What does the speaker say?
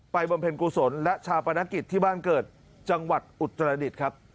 บำเพ็ญกุศลและชาปนกิจที่บ้านเกิดจังหวัดอุตรดิษฐ์ครับ